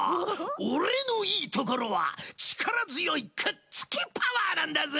オレのいいところはちからづよいくっつきパワーなんだぜ！